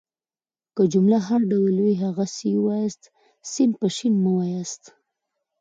که جمله هر ډول وي هغسي يې وایاست. س په ش مه واياست.